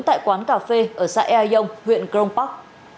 tại quán cà phê ở xã ea dông huyện crong park